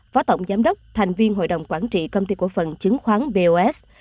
phó tổng giám đốc thành viên hội đồng quản trị công ty cổ phần chứng khoán bos